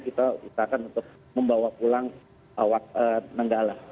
kita usahakan untuk membawa pulang nenggala